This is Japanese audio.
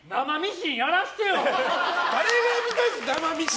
誰が見たいんですか。